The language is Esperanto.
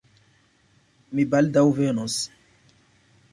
Mi baldaŭ venos.